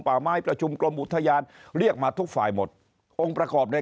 ป่าไม้ประชุมกรมอุทยานเรียกมาทุกฝ่ายหมดองค์ประกอบใน